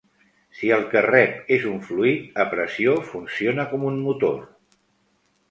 Si el que rep és un fluid a pressió funciona com un motor.